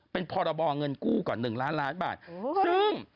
เป็นพรบเงินกู้ก่อน๑ล้านล้านบาทซึ่ง